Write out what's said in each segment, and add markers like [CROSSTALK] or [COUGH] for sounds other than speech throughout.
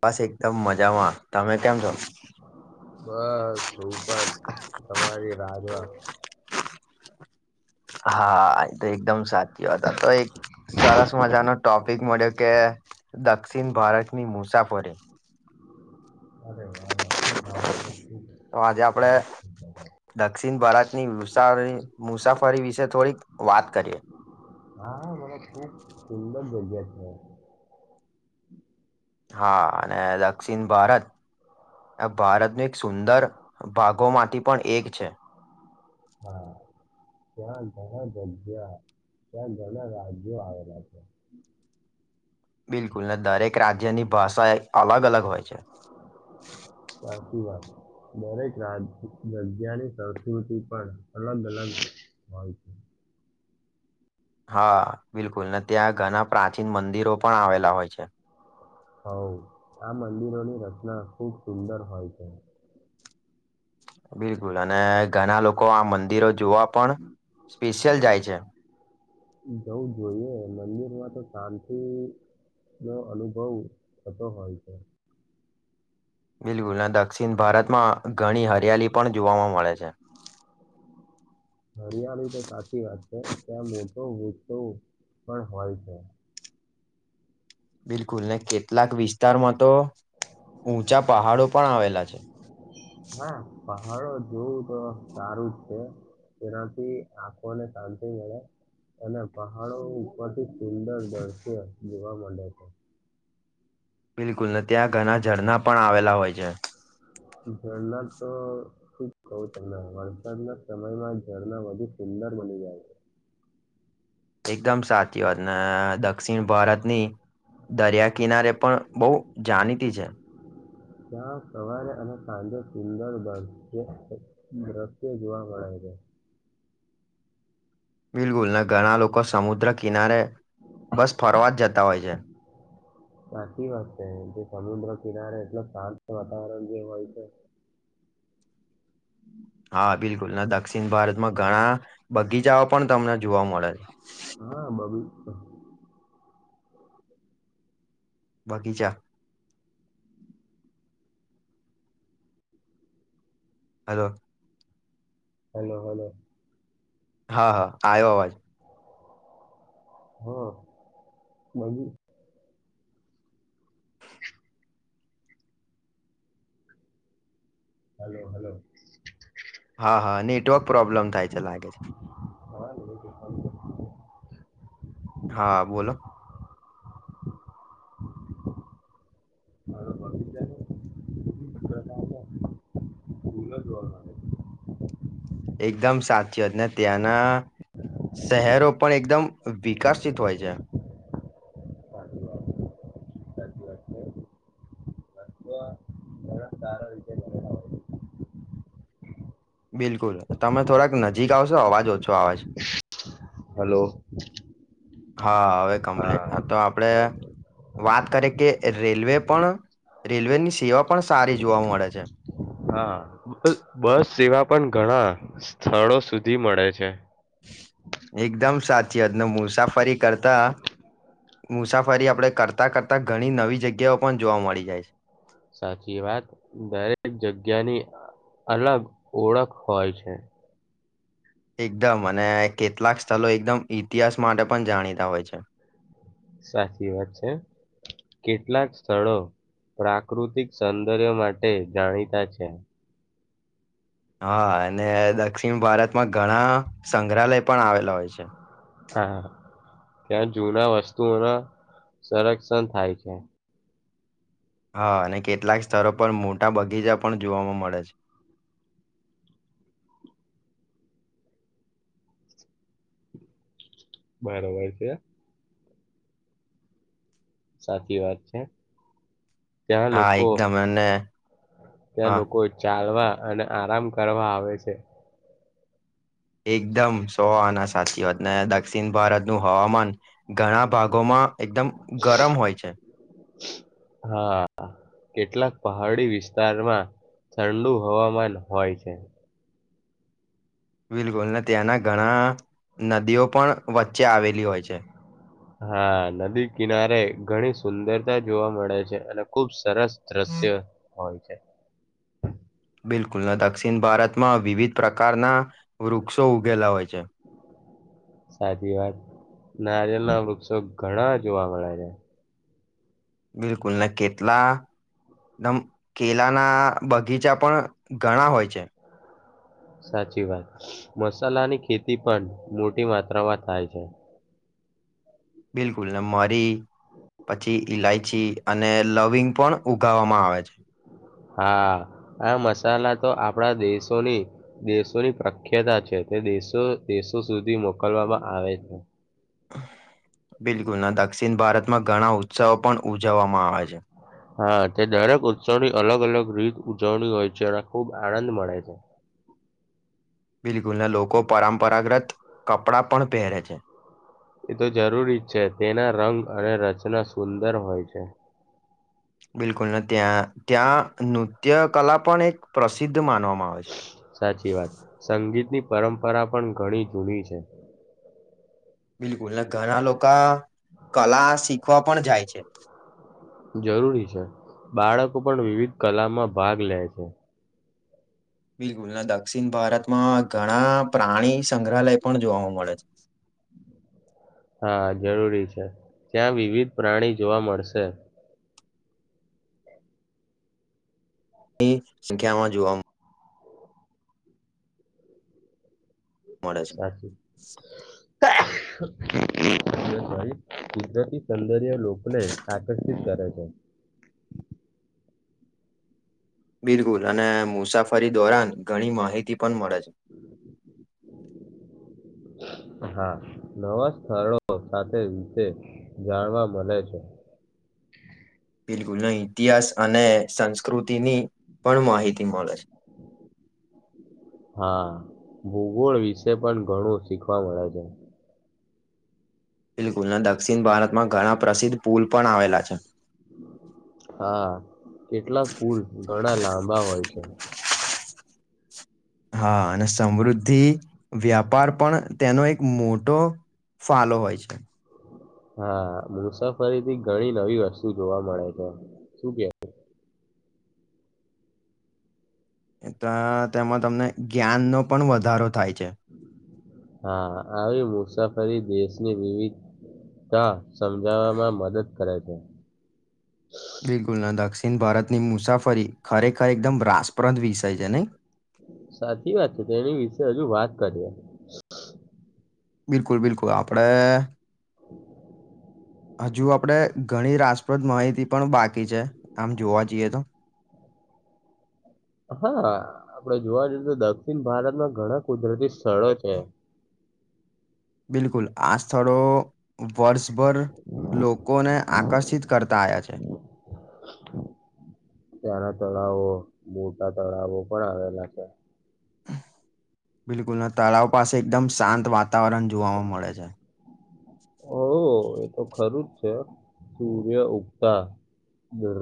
બસ એકદમ મજામાં તમે કેમ છો બસ ઉપર તમારી રામાં હા એ તો એકદમ સાચી વાત તો એક સરસ મજાનો ટોપિક મળ્યો કે દક્ષિણ ભારતની મુસાફરી અરે આ નથી માારત [INAUDIBLE] તો આજે આપડે દક્ષિણ ભારતની મુસા મુસાફરી વિશે થોડીક વાત કરીએ હા મને ખૂબ સુંદર જગ્યા છે હા અને દક્ષિણ ભારત આ ભારતનું એક સુંદર ભાગો માંથી પણ એક છે છે હા ત્યાં ઘણા જ્યા ત્યાં ઘણા રાજ્યો આવેલા છે બિલકુલ ને દરેક રાજ્યની ભાષા એ અલગ અલગ હોય છે સાચી દરેક જા જગ્યાની સંસ્કૃતિ પણ અલગ અલગ સલાલેકમ [INAUDIBLE] હા બિલકુલ અને ત્યાં ઘણા પ્રાચીન મંદિરો પણ આવેલા હોય છે હો આ મંદિરોની રચના ખુબ સુંદર હોય છે બિલકુલ અને ઘણા લોકો લોકો આ મંદિરો જોવા પણ સ્પેશિયલ જાય છે જઉું જોઈએ મંદિરમાં તો શાંતિ નો અનુભવ થતો હોય છે બિલકુલ અને દક્ષિણ ભારતમાં ઘણી હરિયાલી પણ જોવાવા મળે છે હરિયાળી તો સાચી વાત છે ત્યાં મોટો હ તો. પણ હોય છે. બિલકુલ ન કેટ કેટલાક વિસ્તારમાં તો ઉઊંચા પહાડો પણ આવેલા છે. હાલ જોવું તો સારું જ છે તેનાથી આંખોને શાંતિ મળે. અને પહાડો ઉપરથી સુંદર દ્રશ્ય જોવા મળે છે. બિલકુલ નથી ત્યાં ઘણા ઝરણા પણ આવેલા હોય છે. ઝરણા તો શું કું તમને વરસાદના સમયમાં ઝરણા વધુ અંદર મળની આવે. એકદમ સાચી વાત ને દક્ષિણ ભારતની દરિયા કિનારે પણ બહુ જાણીતી છે. હ [INAUDIBLE] જ્યાં સવારે અને સાંજે સુંદર દ દ્રશ્ય જોવા મળે છે [INAUDIBLE] બિલગુલને ઘણા લોકો સમુદ્ર કિનારે બસ ફરવા જ જતા હોય છે. [INAUDIBLE] સાચી વાત છે એમ કે સમુદ્ર કિનારે એટલ શાંત વાતાવરણ જે હોય છે. હા બિલકુલ ના દક્ષિણ ભારતમાં ઘણા બગીચાઓ પણ તમને જોવા મળે છે. હા બેબી તો. બગીચા. હલો. Hello hello. હા હા આયો અવાજ. હા ન. Hello hello. હા હા નેટવર્ક પ્રોબ્લેમ થાય છે લાગે છે. હા હા બોલો. મારો પૂલ જ વારના. એકદમ સચીવાત ને ત્યાંના. શહેરો પણ એકદમ વિકસિત હોય છે. સચીવાત વાત સચીવાત વાત છે. બ સારો [UNINTELLIGIBLE] બિલકુલ તમે થોડાક નજીક આવશો અવાજ ઓછો આવે છે હેલો. હા હવે કમ્પ્લીટ તો આપડે ઓકે વાત કરીકે રેલવે પણ રેલવેની સેવા પણ સારી જોવા મળે છે. હા બ બસ સેવા પણ ઘણા સ્થળો સુધી મળે છે. એકદમ સાચીવાત ને મુસાફરી કરતા મુસાફરી આપણે કરતાં કરતાં ઘણી નવી જગ્યાઓ પણ જોવા મળી જાય છે. સાચી વાત દરેક જગ્યાની અલગ ઓળખ હોય છે. એકદમ અને કેટલાક સ્થળ એકદમ ઇતિહાસ માટે પણ જાણીતા હોય છે. સાચી વાત છે કેટલાક સ્થળો પ્રાકૃતિક સૌંદર્ય માટે જાણીતા છે. હા અને દક્ષિણ ભારતમાં ઘણા સંગ્રહાલય પણ આવેલા હોય. પૈસા. હા ત્યાં જૂના વસ્તુઓના સંરક્ષણ થાય છે. હા અને કેટલાક સ્તરો પર મોટા બગીચા પણ જોવામાં મળે છે. [INAUDIBLE] બરોબર છે. સાચી વાત છે. ત્યાં હા લોકો, એકદમ અને ત્યાં હા લોકો ચાલવા અને આરામ કરવા આવે છે. એકદમ સોહઆના સાચી વાતને દક્ષિણ ભારતનું હવામાન ઘણા ભાગોમાં એકદમ ગરમ હોય છે. હા કેટલાક પહાડી વિસ્તારમાં ઠંડુ હવામાન હોય છે. બિલકુલ ને ત્યાંના ઘણા નદીઓ પણ વચ્ચે આવેલી હોય છે. હા નદી કિનારે ઘણી સુંદરતા જોવા મળે છે અને ખુબ સરસ દ્રશ્ય હોય છે. બિલકુલ ના દક્ષિણ ભારતમાં વિવિધ પ્રકારના વૃક્ષો ઉગેલા હોય છે. સાચી વાત નારિયલ ના વૃક્ષો ઘણા જોવા મળે છે. બિલકુલ ને કેટલા નમ કેલાના બગીચા પણ ઘણા હોય છે. સાચી વાત મસાલાની ખેતી પણ મોટી માત્રામાં થાય છે. બિલકુલના મરી પછી ઈલાયચી અને લવિંગ પણ ઉગાવામાં આવે છે. હા, આ મસાલા તો આપણા દેશોની, દેશોની પ્રખ્યાતા છે. તે દેશો દેશો સુધી મોકલવામાં આવે છે. બિલકુલના. દક્ષિણ ભારતમાં ઘણા ઉત્સવો પણ ઉજવવામાં આવે છે. હા, તે દરેક ઉત્સવની અલગ અલગ રીત ઉજવણી હોય છે અને ખૂબ આનંદ મળે છે. [INAUDIBLE] બિલકુલના. લોકો પરંપરાગ્રત કપડાં પણ પહેરે છે. એ તો જરૂરી જ છે. તેના રંગ અને રચના સુંદર હોય છે. બિલકુલ, ત્યાં ત્યાં નૃત્ય કલા પણ એક પ્રસિદ્ધ માનવામાં આવે છે સાચી વાત, સંગીતની પરંપરા પણ ઘણી જૂની છે. બિલકુલને ઘણા લોકો કલા શીખવા પણ જાય છે. જરૂરી છે. બાળકો પણ વિવિધ કલામાં ભાગ લે છે. બિલકુલ, ને દક્ષિણ ભારતમાં ઘણા પ્રાણી સંગ્રહાલય પણ જોવા મળે છે. [INAUDIBLE] હા, જરૂરી છે. ત્યાં વિવિધ પ્રાણી જોવા મળશે. ની સંખ્યામાં જોવા મ મળે છે. [UNINTELLIGIBLE] સર લોકોને આકર્ષિત કરે છે. બિલકુલ, અને મુસાફરી દોરાન ઘણી માહિતી તી પણ મળે છે. [UNINTELLIGIBLE] હા, નવા સ્થળો સાથે વિશે જાણવા મળે છે. [INAUDIBLE] બિલકુલ નઈ, ઇતિહાસ અને સંસ્કૃતિની પણ માહિતી મળે છે. હા ભૂગોળ વિશે પણ ઘણું શીખવા મળે છે. બિલકુલ, દક્ષિણ ભારતમાં ઘણા પ્રસિદ્ધ પુલ પણ આવેલા છે. હા, કેટલા પુલ ઘણા લાંબા હોય છે. હા, અને સમૃદ્ધિ વ્યાપાર પણ તેનો એક મોટો ફાલો હોય છે. હા, મુસાફરીથી ઘણી નવી વસ્તુ જોવા મળે છે. શું કેઈ? તો, તેમાં તમને જ્ઞાનનો પણ વધારો થાય છે. હા, આવી મુસાફરી દેશની વિવિધતા સમજાવવામાં મદદ કરે છે. બિલકુલના દક્ષિણ ભારતની મુસાફરી ખરેખર એકદમ રાસપ્રદ વિષય છે નહીં. સાચી વાત છે. તેની વિશે હજુ વાત કરીએ. બિલકુલ, બિલકુલ આપણેે [INAUDIBLE] હજુ, આપણે ઘણી રાસપ્રદ માહિતી પણ બાકી છે. આમ જોવા જઈએ તો. [INAUDIBLE] હા, આપણે જોવા જઈએ તો દક્ષિણ ભારતમાં ઘણા કુદરતી સ્થળો છે. બિલકુલ. આ સ્થળો વર્ષ ભર લોકોને આકર્ષિત કરતા આવ્યા છે. નાના તળાવો, મોટા તળાવો પણ આવેલા છે. બિલકુલ, તળાવ પાસે એકદમ શાંત વાતાવરણ જોવામાં મળે છે. હો, એતો ખરું જ છે સૂર્ય ઉગતા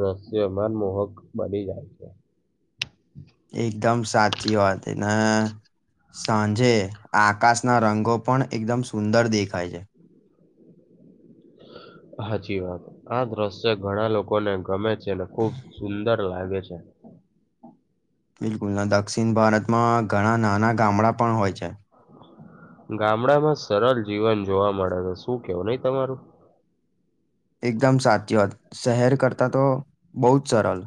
રહશ્ય મનમોહક બની જાય છે. એકદમ સાચી વાત ન સાંજે આકાશના રંગો પણ એકદમ સુંદર દેખાય છે. [INAUDIBLE] સાચી વાત આ દ્રશ્ય ઘણા લોકોને ગમે છે ને ખુબ સુંદર લાગે છે. [INAUDIBLE] બિલકુલ ના દક્ષિણ ભારતમાં ઘણા નાના ગામડા પણ હોય છે. ગામડામાં સરલ જીવન જોવા મળે છે શું કેવુ નહી તમારું. એકદમ સાચી વાત શહેર કરતા તો બહુ જ સરળ.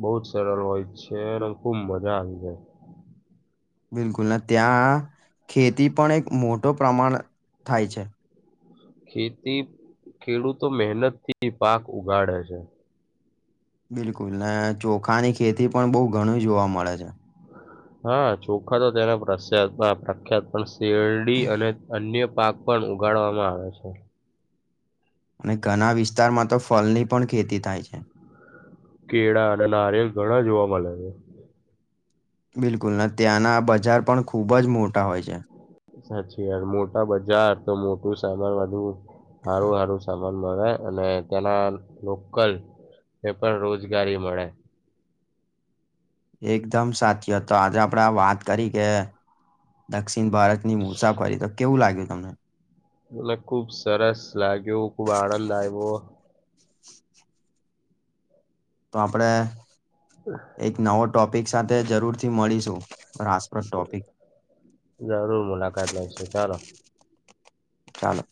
બહુ જ સરળ હોય છે અને ખુબ મજા આવી જાય બિલકુલ ત્યાં ખેતી પણ એક મોટો પ્રમાણ થાય છે. ખેતી ખેડૂતો મહેનતથી પાક ઉગાડે છે. બિલકુલ અનેને ચોખાની ખેતી પણ બહુ ઘણી જોવા મળે છે. હા ચોખા તો તેને પ્રસ્યાત પ્રખ્યાત પણ શેરડી અને અન્ય પાક પણ ઉગાડવામાં આવે છે. અને ઘણા વિસ્તારમાં તો ફલની પણ ખેતી થાય છે. કેળા અને નારિયેલ ઘણા જોવા મળે છે. બિલકુલ ત્યાંના બજાર પણ ખૂબ જ મોટા હોય છે. સાચી વાત મોટા બજાર તો મોટું સામાન વધુ સારું સારું સામાન મળ અને ત્યાના લોકલ. એ પણ રોજગારી મળે. એકદમ સાચી હતો આજે આપડા વાત કરી કે દક્ષિણ ભારત મુસાફરી તો કેવું લાગ્યું છે. મને ખુબ સરસ લાગ્યું ખુબ આનંદ આવ્યો. તો આપણેે એક નવો ટોપિક સાથે જરૂર થી મળીશું. રાસપ્રદ ટોપિક જરૂર મુલાકાત લઈશું ચાલો ચાલો.